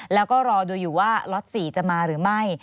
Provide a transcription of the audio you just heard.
แล้วก็รอดูอยู่ว่าล็อต๔จะมาหรือไม่